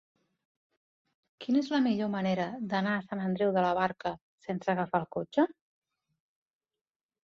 Quina és la millor manera d'anar a Sant Andreu de la Barca sense agafar el cotxe?